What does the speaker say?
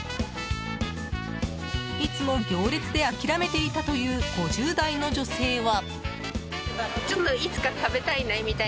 いつも行列で諦めていたという５０代の女性は。